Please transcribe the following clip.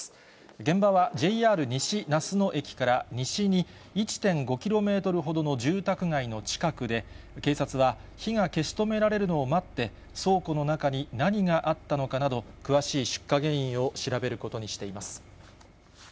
現場はＪＲ西那須野駅から西に１．５キロメートルほどの住宅街の近くで、警察は火が消し止められるのを待って、倉庫の中に何があったのかなど、詳しい出火原因を調べることにしています。